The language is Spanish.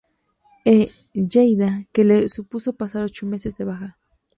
E. Lleida que le supuso pasar ocho meses de baja.